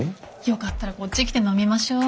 よかったらこっち来て飲みましょう。